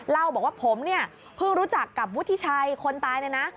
เล่าบอกว่าผมเนี่ยเพิ่งรู้จักกับวุฒิชัยคนตายเนี่ยนะ